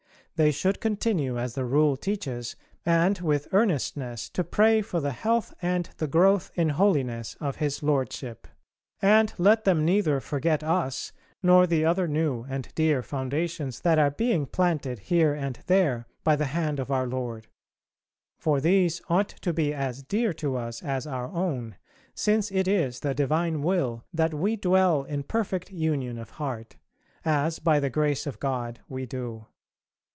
They should continue as the Rule teaches, and with earnestness, to pray for the health and the growth in holiness of his Lordship. And let them neither forget us, nor the other new and dear foundations that are being planted here and there by the hand of Our Lord; for these ought to be as dear to us as our own, since it is the divine Will that we dwell in perfect union of heart, as by the grace of God we do.